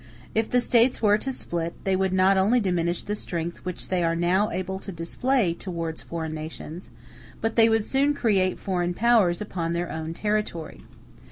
If the States were to split, they would not only diminish the strength which they are now able to display towards foreign nations, but they would soon create foreign powers upon their own territory.